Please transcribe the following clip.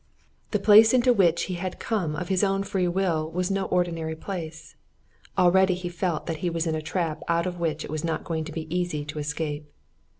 This place into which he had come of his own free will was no ordinary place already he felt that he was in a trap out of which it was not going to be easy to escape.